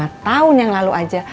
abang bisa lima tahun yang lalu aja